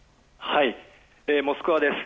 モスクワです。